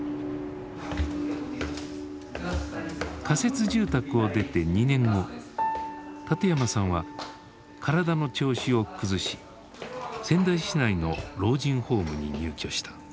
仮設住宅を出て２年後館山さんは体の調子を崩し仙台市内の老人ホームに入居した。